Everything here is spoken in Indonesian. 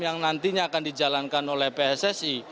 yang nantinya akan dijalankan oleh pssi